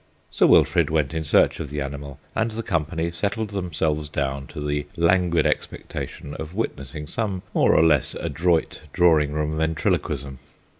Sir Wilfrid went in search of the animal, and the company settled themselves down to the languid expectation of witnessing some more or less adroit drawing room ventriloquism.